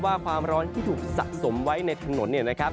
ความร้อนที่ถูกสะสมไว้ในถนนเนี่ยนะครับ